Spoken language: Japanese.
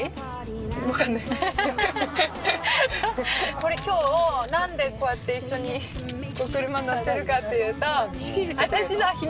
これ今日何でこうやって一緒に車乗ってるかっていうと。